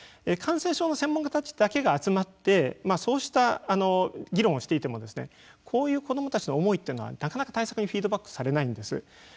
感染症の専門家たちだけが集まってそうした議論をしていてもこういう子どもたちの思いというのはなかなか対策にフィードバックされないんです。